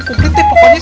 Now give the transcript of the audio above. kumpulin deh pokoknya